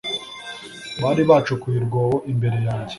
bari bacukuye urwobo imbere yanjye